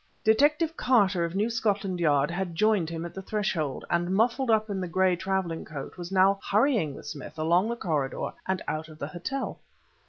Detective Carter of New Scotland Yard had joined him at the threshold, and muffled up in the gray traveling coat was now hurrying with Smith along the corridor and out of the hotel.